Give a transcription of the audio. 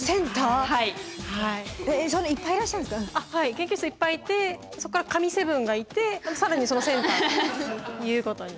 研究室いっぱいいてそこから神７がいて更にそのセンターということに。